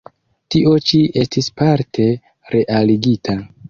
Tio ĉi estis parte realigita.